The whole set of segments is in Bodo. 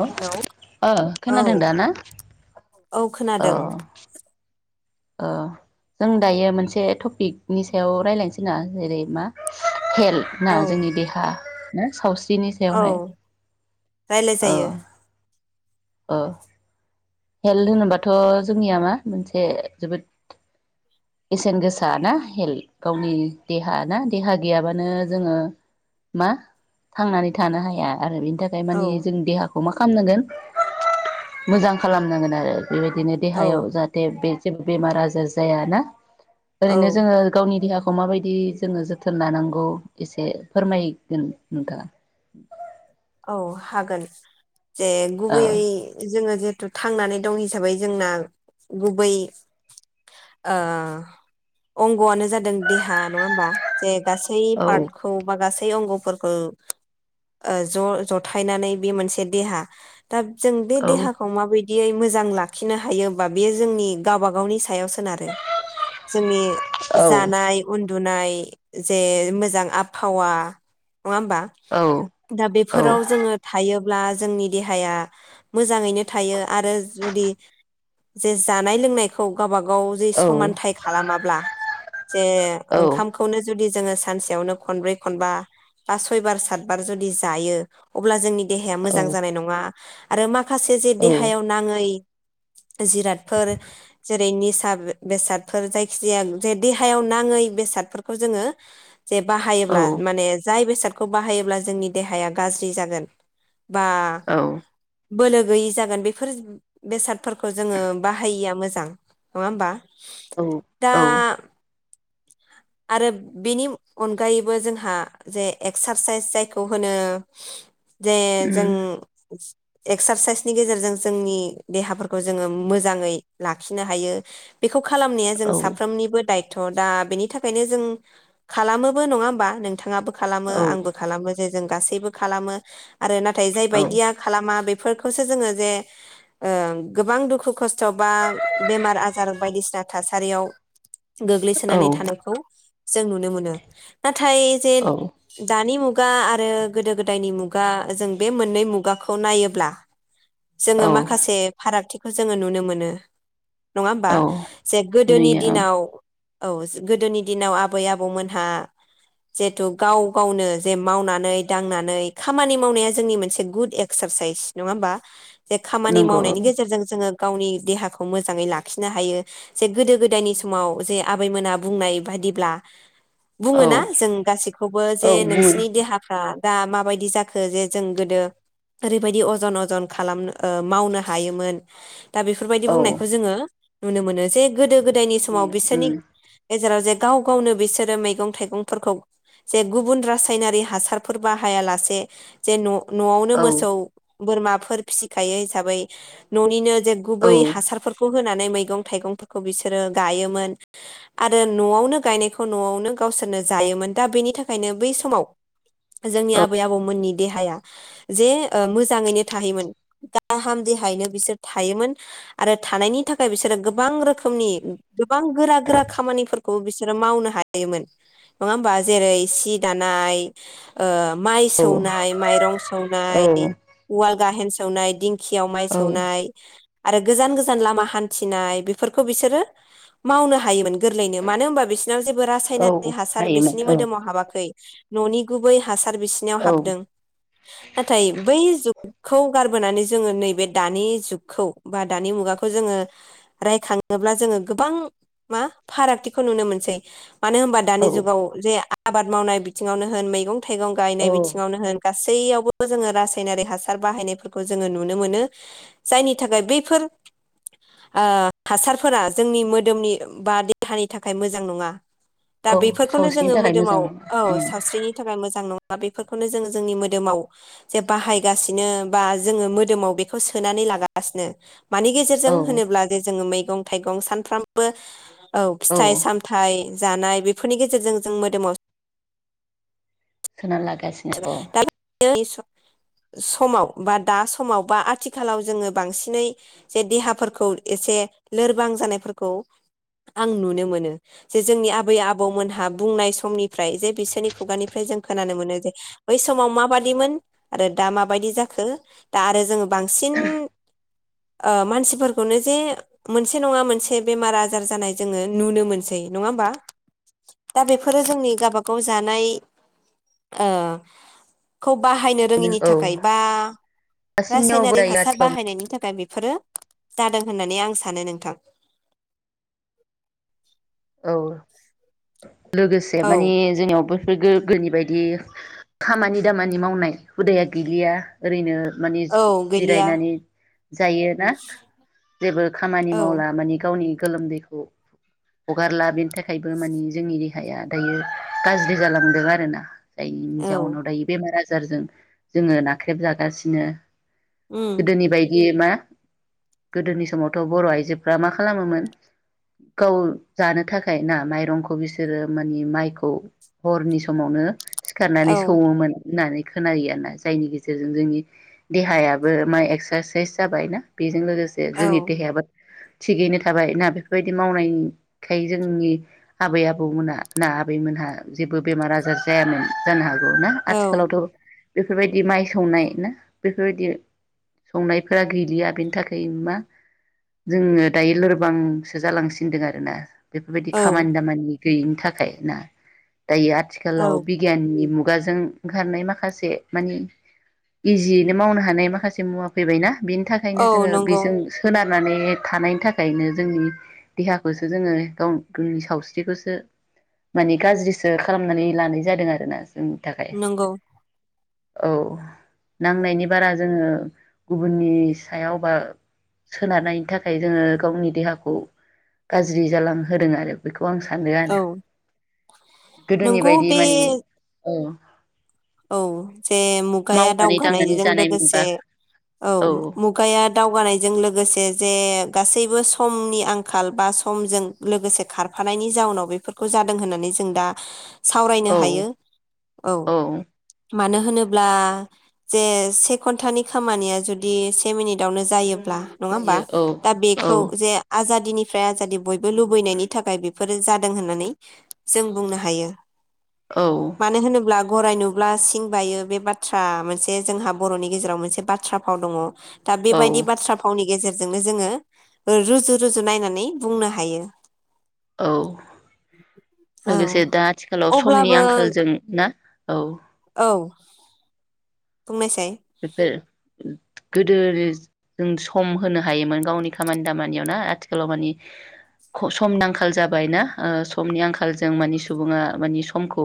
हेल' हेलौ ओ खोनादों औ दा ना औ खोनादों अ जों दायो मोनसे टपिकनि सायाव रायजलायनोसै ना जेरै मा हेल्थ ना औ जोंनि देहा सावस्रि औ राय्लाय जायो ओ [unintelligible] हेल्थ होनोबाथ' जोंनिया मा मोनसे जोबोद बेसेन गोसा ना हेल्थ गावनि देहा ना देहा गैयाबानो जोंङो मा थांनानै थानो हाया आरो बे नि थाखाय औ माने जों देहाखौ मा खालामनांगोन मोजां खालामनांगोन आरो बेबायदिनो औ देहायाव जाहाथे बे जेबो बेमार आजार जायाना औ ओरैनो जोंङो गावनि देहाखौ खौ माबायदि जोंङो जोथोन लानांगौ एसे फोरमायगोन नोंथां औ हागोन जे औ गुबैयै जोंङो थांनानै दं हिसाबै जोंना गुबै अंगआनो जादों देहा नंङा होमबा जे गासै औ पारटखौ बा गासै अंग फोरखौ ओज ज जथायनानै बे मोनसे देहा दा जों बे औ देहाखौ माबायद दियै मोजां लाखिनो हायो बा बेयो जोंनि गावब गावनि सायाव सो गोन आरो‌ जोंनि औ जानाय उन उन्दुनाय जे मोजां आबहावा नंङा होनबा औ दा औ बेफोराव जोंङो थायो अब्ला जोंनि देहाया मोजांङैनो थायो आरो जुदि जे जानाय लोंनायखौ गावबा गाव जे औ समानथाय खालामाबा जे औ ओंखामखौनो जुदि जोंङो सानसेयावनो खनब्रै खनबा बा सयबार सातबार जुदि जायो अब्ला जोंनि देहाया मोजां जानाय नंङा आरो मा माखासे जे देहायाव नांङै जिरादफोर जेरै निस सार बेसादफोर जायखि जाया जे देहायाव नांङै बेसादफोरखौ जोंङो जे बाहायोब्ला माने जाय बेसाद खौ बाहायोब्ला जोंनि देहाया गाज्रि जागोन बा बोलो गैयि जागोन बेफोर बेसाद फोरखो जोंङो बाहायिया मोजां जां नंङा होमबा औ दा औ आरो बेनि अनगायैबो जोंहा जे एक्सार साइस जायखौ होनो जे जों उम एक्सार साइसनि गेजेरजों जोंनि देहाफोरखौ जोङो मोजाङै लाखिनो हायो बे खौ खालामनाया जों औ साफ्रोमनिबो दाय थ' दा बेनि थाख बखायनो जों खालामोबो नङा होमबा नोंथाङाबो खालामो औ आंबो खालामो जे जों गासैबो खालामो आरो नाथाय जाय बायदिया खालामा बे बफोरखौसो जोङो जे ओ गोबां दुखु खस्थ' बा बेमार आजार बायदिसिना थासारियाव औ गोग्लैसोनानै थानायख जों नुनो मोनो ना थाइ जे दानि मुगायाव मुगा आरो गोदो गोदायनि मुगा जों बे मोननै मुगाखौ नायोब्ला जोङो औ माखासे फारागथि खौ जोङो नुनो मोनो नङा होमबा औ जे गोदोनि नुयो औ दिनाव औ [unintelligible] गोदोनि दिनाव आबै आबौमोनहा जिहेथु गाव गावनो जे मावनानै दांनानै खामानि मावनाया जोंनि मोनसे गुड एक्सारसाइस नङा होमबा जे खामानि नंगौ मावनायनि गेजेरजों जोङो गावनि देहाखौ मोजाङै लाखिनो हायो जे गोदो गोदायनि समाव जे आबैमोना बुंनाय बादिब्ला औ बुङोना जों गासैखौबो औ जे बुं नोंसिनि देहाफ्रा दा माबायदि जाखो जे जों गोदो ओरैबायदि अजन अजन खालामनो मावनो हायोमोन दा बेफोरबायदि औ बुंनायखौ जोङो नुनो मोनो जे गोदो गोदायनि समाव नुयो बिसोरनि उम गेजेराव जे गाव गावनो बिसोरो मैगं थाइगंफोरखौ जे गुबुन रासायनारि हासारफोर बाहायालासे जे न' न'आवनो औ मोसौ बोरमाफोर फिसिखायो हिसाबै न'निनो औ गुबै हासारफोरखौ होना मैं थाइगंफोरखौ बिसोरो गायोमोन आरो न'आवनो गायनायखौ न'आवनो गावसोरनो जायोमोन दा बेनि थाखायनो बै समाव जोंनि आबै आबौमोननि देहाया जे ओ मोजाङैनो थाहैयोमोन गाहाम देहायैनो बिसोर थायोमोन आरो थानायनि थाखाय बिसोरो गोबां रोखोम रोखोमनि गोबां गोरा-गोरा खामानिफोरखौ बिसोरो मावनो हायोमोन नङा होमबा जेरै सि दानाय ओ माइ सौनाय माइरं सौनाय औ उवाल गाहेन सावनाय दिं खियाव माइ औ सौनाय आरो गोजान-गोजान लामा हान्थिनाय बेफोरखौ बिसोरो मावनो हायोमोन । गोरलैनो मानो होनबा बिसोरनाव जेबो औ रासायनारि हासार हायोमोन बिसोरनि मोदोमाव हाबाखै न'नि गुबै हासार बिसिनाव औ हाबदों नाथाय बै जुग खौ गारबोनानै जोङो नैबे दानि जुगखौ बा दानि मुगाखौ जोङो रायखाङोब्ला जोङो गोबां मा फारागथिखौ नुनो मोनसै। मानो होनबा दानि औ जुगाव जे आबाद मावनाय बिथिङावनो होन मैगं थाइगं औ गायनाय बिथिङावनो होन गासैयावबो जोङो रासायनारि हासार गासैयावबो जोङो रासायनारि हासार बाहायनायफोरखौ जोङो नुनो मोनो जायनि थाखाय बैफोर ओ हासारफोरा जोंनि मोदोमनि बा‌ दे देहानि थाखाय मोजां नङा। दा औ बेफोरखौनो सावस्रिनि जोङो थाखाय मोजां मोदोमाव नङा औ उम सावस्रिनि थाखाय मोजां नङा। दा बेफोरखौनो जोङो जोंनि मोदोमाव जे बाहायगासिनो बा जोङो मोदोमाव बेखौ सोनानै लागासिनो मानि औ गेजेरजों होनोब्ला जे जोङो मै मैगं थाइगं सानफ्रामबो औ फिथाइ-सामथाइ जानाय बेफोरनि गेजेरजों जों मोदोमाव सोना ला गासिनो औ। दोनि स समाव बा दा समाव बा आथिखालाव जोङो बांसिनै जे देहाफोरखौ एसे लोरबां जानायफोरखौ आं नुनो मोनो जे जोंनि आबै आबौमोनहा बुंनाय समनिफ्राय जे बिसोरनि खुगानिफ्राय जों खोनानो मोनो जे बै समाव माबादिमोन आरो दा माबायदि जाखो दा आरो जोङो बांसिन ओ मानसिफोरखौनो जे मोनसे नङा मोनसे बेमार आजार जानाय जोङो नुनो मोनसै नङा होमबा दा बेफोरो जोंनि गवबागाव जानाय ओ खोब बाहायनो रोङिनि औ थाखाय बा दासिमनियावबो रासायनारिक दायो हासार आथिखालाव बाहायनायनि थाखाय बे फोरो जादों होननानै आं सानो नोंथां। औ लोगोसे औ माने जोंनियावबो गोदोनि बायदि खामानि दामानि मावनाय हुदाया गैलिया ओरैनो मानि औ गैलिया जिरायनानै जायोना जेबो खामानि औ मावला माने गावनि गोलोमदैखौ हगारला बेनि थाखायबो मानि जोंनि देहाया दायो गाज्रि जालांदों आरोना जायनि औ जाउनाव दायो बेमार आ जारजों जोङो नाख्रेब जागासिनो । उम गोदोनि बायदि मा? गोदोनि समावथ' बर' आइजोफ्रा मा खालामोमोन गाव जानो थाखाय ना माइरंखौ बिसोरो माने माइखौ हरनि समावनो सिखारनानै औ सोवोमोन । होननानै खोनायो आरो ना जायनि गेजेरजों जोंनि देहायाबो मा एक्सारसाइस जाबायना बे जों लोगोसे औ जोंनि देहायाबो थिगैनो थाबाय ना बेफोरबायदि मावनायनि थाखाय जोंनि आबै आबौमोनहा ना आबैमोनहा जेबो बेमार आजार जायामोन जानो हागौ । ना औ आथिखालावथ' बेफोरबायदि माइ संनाय ना बेफोरबायदि संनायफोरा गैलिया बेनि थाखाय मा जोङो दायो लोरबांसो जालांसिनदों आरोना । बेफोरबायदि औ खामानि दामानि गैयिनि थाखाय ना । दायो आथिखालाव औ बिगियाननि मुख । खुगाजों ओंखारनाय माखासे मानि इजियैनो मावनो हानाय माखासे मुवा फैबायना । बिनि थाखायनो औ जोङो नंगौ बेजों सोनार नानै थानायनि थाखायनो जोंनि देहाखौसो जोङो गाव गोंनि सावस्रिखौसो माने गाज्रिसो खालामनानै लानाय जादों आरोना । जों नि थाखाय नंगौ । औ नांनायनि बारा जोङो गुबुननि सायाव बा सोनारनायनि थाखाय जोङो गावनि देहाखौ गाज्रि जाला होदों आरो बेखौ । अ आं सानो आरो औ गोदोनि नंगौ बायदि बे माने ओं। । औ जे मुगाया मावनानै दांनानै दावगानायजों जानाय मोनबा लोगोसे औ मुगाया दावगानायजों लोगोसे जे गासैबो समनि आंखाल बा समजों लोगोसे खारफानायनि जाउनाव बेफोरखौ जादों होननानै जों दा सावरायनो औ हायो औ । मानो होनोब्ला जे से घन्टानि खामानिया जुदि से मिनिटावनो जायो ब्ला नङा होमबा जायो औ दा औ बेखौ जे आजा दिनिफ्राय आजादि बयबो लुबैनायनि थाखाय बेफोरो जादों होननानै जों बुंनो हायो औ । मानो होनोब्ला गराय नुब्ला सिं बायो बे बाथ्रा मोनसे जोंहा बर'नि गेजेराव मोनसे बाथ्रा फाव दङ । दा औ बेबायदि बाथ्रा फावनि गेजेर जोंनो जोङो रुजु रुजु नायनानै बुंनो हायो । औ औ लोगोसे दा आथिखालाव समनि अब्लाबो आंखालजों ना । औ औ बुंनायसाय [inaudible] गोदो जों सम होनो हायोमोन गावनि खामानि दामानियाव ना आथिखालाव मानि समनि आंखाल जाबायना ओ समनि आंखालजों मानि सुबुङा मानि समखौ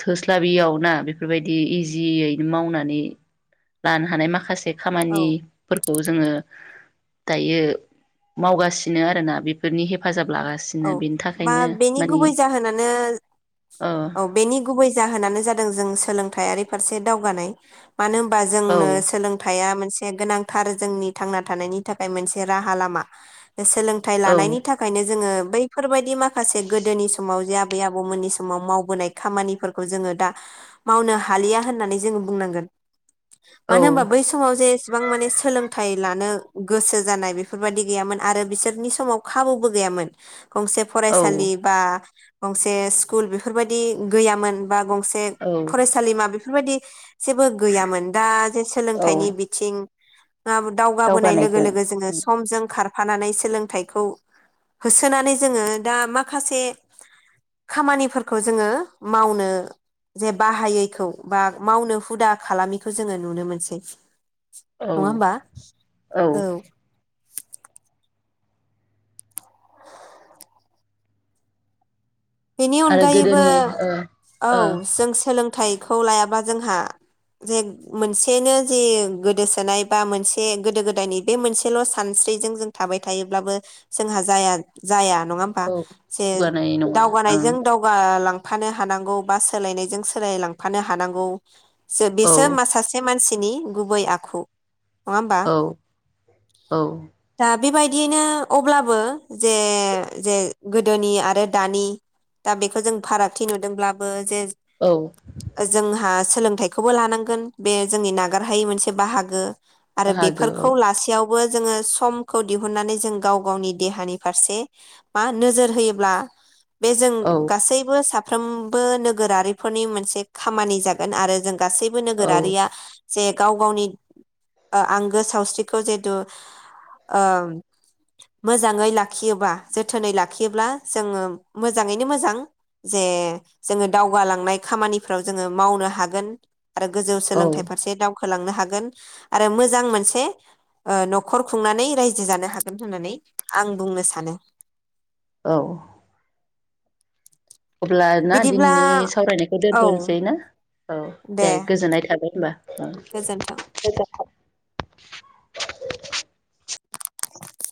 थोस्लाबियाव ना बेफोरबायदि इजियैनो मावनानै लानो हानाय माखासे औ खामानि फोर खौ जोङो दायो मावगासिनो आरोना बेफोरनि हेफाजाब औ लागासिनो बेनि बा थाखायनो बेनि मानि गुबै जाहोनानो ओ औ बेनि गुबै जाहोनानो जादों जों सोलोंथायारि फारसे दावगानाय मानो होनबा औ जोंनो सोलोंथाइया मोनसे गोनांथार जोंनि थांना थानायनि थाखाय मोनसे राहा लामा सोलोंथाइ औ लानायनि थाखायनो जोङो बैफोरबायदि माखासे गोदोनि समाव जे आबै आबौमोननि समाव मावबोनाय खामानिफोरखौ जोङो दा मावनो हालिया होननानै जोङो बुंनांगोन मानो होनोबा बै औ समाव जे इसिबां माने सोलोंथाइ लानो गोसो जानाय बेफोरबायाददि गैयामोन आरो बिसोरनि समाव खाबुबो गैयामोन गंसे औ फरायसालि बा गंसे स्कुल बेफोरबायदि गैयामोन बा माखासे औ फरायसालिमा बेफोरबायदि जेबो गैयामोन दा जे औ सोलोंथाइनि बिथिं दावगाबोनाय लोगो दावगानायजों लोगो जोङो समजों खार फानानै सोलोंथाइखौ होसोनानै जोङो दा माखासे खामानिफोरखौ जोङो मावनो जे बाहायैखौ बा मावनो हुदा खालामैखौ जोङो नुनो मोनसै। औ नङा होमबा औ। बेनि आरो अनगायैबो गोदोनि ओ औ ओ जों सोलों थाइखौ लायाबा जोंहा जे मोनसेनो जे गोदोसोनाय बा मोनसे गोदो गोदायनि बे मोनसेल' सानस्रिजों जों थाबाय थायोब्लाबो जोंहा जाया जाया नङा होमबा औ जे जौगानाय नङा ओं दावगानायजों दावगालां थांफानो हानांगौ बा सोलायनायजों सोलाय लांफानो हानांगौ औ बिसोर मा सासे मानसि नि गुबै आखु नङा होमबा औ औ। दा बेबायदियैनो अब्लाबो जे जे गोदोनि आरो दानि दा बेखौ जों फारागथि नुदोंब्लाबो जे औ जोंहा सोलोंथाइखौबो लानांगोन बे जोंनि नागारहायै मोनसे बाहागो आरो बाहागो बेफोरखौ औ लासेयाव बो जोङो समखौ दिहुननानै जों गाव गावनि देहानि फारसे मा नोजोर होयोब्ला। बे जों गासैबो सा साफ्रोमबो नोगोरारिफोरनि मोनसे खामानि जागोन आरो जों गासैबो औ औ नोगोरारिया जे गाव गावनि आंगो सावस्रिखौ जिहेथु ओ मोजाङै लाखियोबा जोथोनै लाखियोब्ला जोङो मोजाङैनो मोजां जे जोङो दावगालांनाय खामानिफ्राव जोङो मावनो हागोन। आरो गोजौ औ सोलोंथाइ फारसे दाव खोलांनो हागोन आरो मोजां मोनसे ओ न'खर खुंनानै रायजो जानो हागोन होननानै आं बुंनो सानो। औ अब्ला ना बिदिब्ला दिनैनि सावरायनायखौ औ दोनथ'नोसै ना? औ दे गोजोननाय थाबाय होनबा। गोजोन्थों [unintelligible] गोजोनथों। [inaudible] [inaudible]